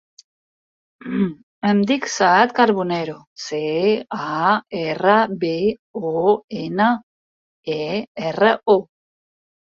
Em dic Saad Carbonero: ce, a, erra, be, o, ena, e, erra, o.